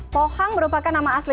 pohang merupakan nama asli